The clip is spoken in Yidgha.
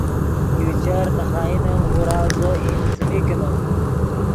یو چر نے خائن ام غورا زو ایند څیمی کینیم